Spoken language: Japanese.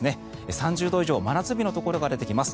３０度以上、真夏日のところが出てきます。